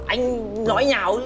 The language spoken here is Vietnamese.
anh nói nhào